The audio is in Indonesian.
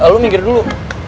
lo minggir dulu